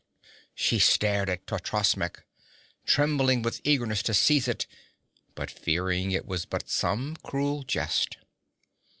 She stared at Totrasmek, trembling with eagerness to seize it, but fearing it was but some cruel jest.